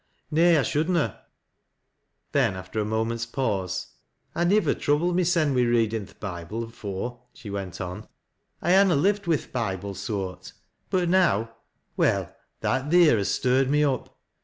Nay, I should na !" Then, after a moment's pause —" I nivver troubled mysen wi' readin' th' Bible afore," she went on, " 1 ha' na lived wi' th' Bible soart ; but now — well thai thoer has stirred me up.